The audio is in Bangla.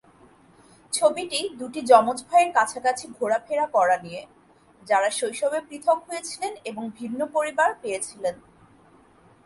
ছবিটি দুটি যমজ ভাইয়ের কাছাকাছি ঘোরাফেরা করা নিয়ে, যারা শৈশবে পৃথক হয়েছিলেন এবং ভিন্ন পরিবার পেয়েছিলেন।